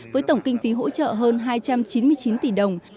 với tổng kinh phí hỗ trợ hơn hai trăm chín mươi chín tỷ đồng